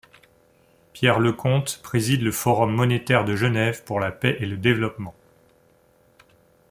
Pierre Leconte préside le Forum monétaire de Genève pour la paix et le développement.